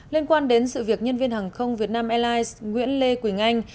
liên quan đến sự việc nhân viên hàng không việt nam airlines nguyễn lê quỳnh anh